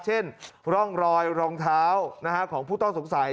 เช่นร่องรอยรองเท้าของผู้ต้องสงสัย